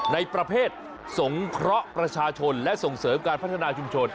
ในประเภทสงเคราะห์ประชาชนและส่งเสริมการพัฒนาชุมชน